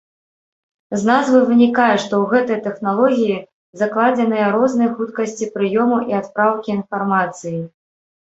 З назвы вынікае, што ў гэтай тэхналогіі закладзеныя розныя хуткасці прыёму і адпраўкі інфармацыі.